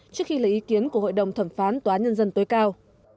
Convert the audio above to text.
trước khi lấy ý kiến của hội đồng thẩm phán tòa án nhân dân tối cao